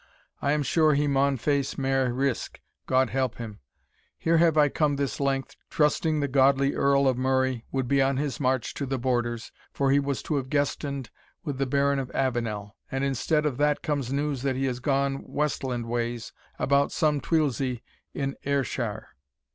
I am sure he maun face mair risk, God help him. Here have I come this length, trusting the godly Earl of Murray would be on his march to the Borders, for he was to have guestened with the Baron of Avenel; and instead of that comes news that he has gone westlandways about some tuilzie in Ayrshire.